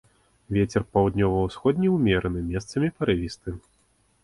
Вецер паўднёва-ўсходні ўмераны, месцамі парывісты.